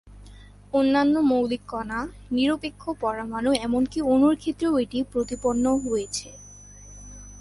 অন্যান্য মৌলিক কণা, নিরপেক্ষ পরমাণু এমনকি অণুর ক্ষেত্রেও এটি প্রতিপন্ন হয়েছে।